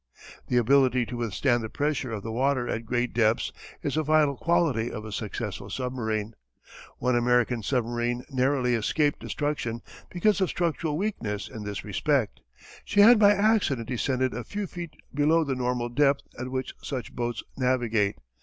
The ability to withstand the pressure of the water at great depths is a vital quality of a successful submarine. One American submarine narrowly escaped destruction because of structural weakness in this respect. She had by accident descended a few feet below the normal depth at which such boats navigate.